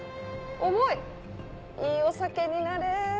重いいいお酒になれ。